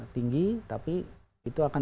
tinggi tapi itu akan